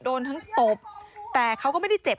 โดนทั้งตบแต่เขาก็ไม่ได้เจ็บ